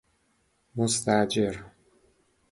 مستاجر